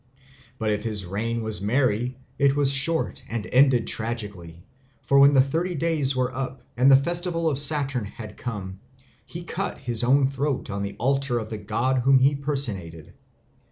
But if his reign was merry, it was short and ended tragically; for when the thirty days were up and the festival of Saturn had come, he cut his own throat on the altar of the god whom he personated.